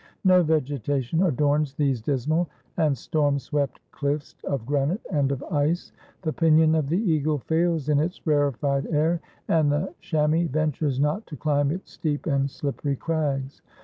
No vegeta tion adorns these dismal and stormswept chffs of granite and of ice. The pinion of the eagle fails in its rarefied air, and the chamois ventures not to climb its steep and slippery crags.